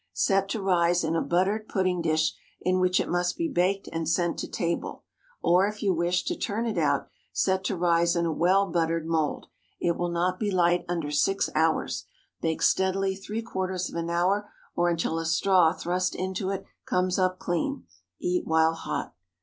Set to rise in a buttered pudding dish, in which it must be baked and sent to table. Or, if you wish to turn it out, set to rise in a well buttered mould. It will not be light under six hours. Bake steadily three quarters of an hour, or until a straw thrust into it comes up clean. Eat while hot.